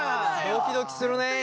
ドキドキするね！